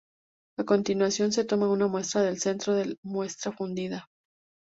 A continuación, se toma una muestra del centro de la muestra fundida.